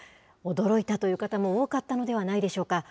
驚いたという方も多かったのではないでしょうか。